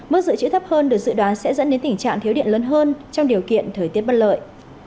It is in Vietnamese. mức dự trữ thấp hơn được dự đoán sẽ dẫn đến tình trạng thiếu điện lớn hơn trong điều kiện thời tiết bất lợi